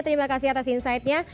terima kasih atas insightnya